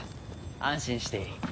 安心していい。